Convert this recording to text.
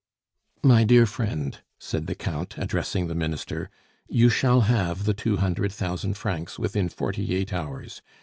"My dear friend," said the Count, addressing the Minister, "you shall have the two hundred thousand francs within forty eight hours.